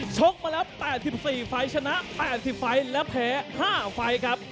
ชกมาแล้ว๘๔ไฟล์ชนะ๘๐ไฟล์และแพ้๕ไฟล์ครับ